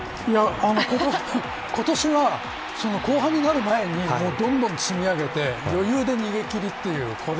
今年は後半になる前にどんどん積み上げて、余裕で逃げ切り